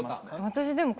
私でも。